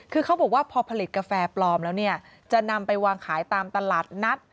คือเขาบอกว่าพอผลิตกาแฟปลอมแล้วเนี่ยจะนำไปวางขายตามตลาดนัด